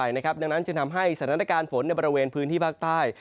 ในสถานการณ์ฝนในบริเวณพื้นที่ภาคใต้